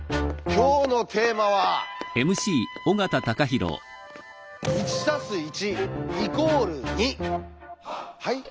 今日のテーマは「はい？